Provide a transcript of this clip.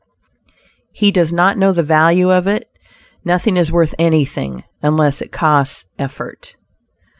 He does not know the value of it; nothing is worth anything, unless it costs effort.